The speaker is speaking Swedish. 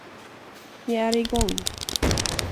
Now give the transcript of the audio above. Vi är igång!